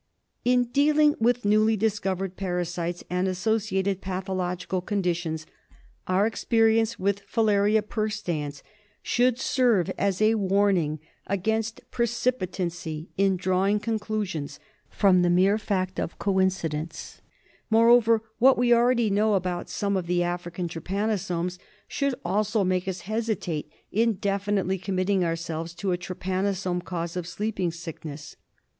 In dealing with newly discovered parasites and associ ated pathological conditions, our experience with Filaria Persians should serve as a warning against precipitancy in drawing conclusions from the mere fact of concurrence. THE SLEEPING SICKNESS. 123 Moreover, what we already know about some of the African trypanosomes should also make us hesitate in definitely committing ourselves to a trypanosome cause of Sleeping Sickness.